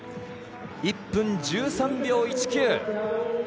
１分１３秒１９。